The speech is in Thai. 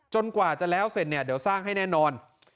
กว่าจะแล้วเสร็จเนี่ยเดี๋ยวสร้างให้แน่นอน